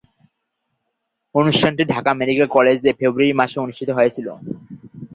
অনুষ্ঠানটি ঢাকা মেডিকেল কলেজে ফেব্রুয়ারি মাসে অনুষ্ঠিত হয়েছিলো।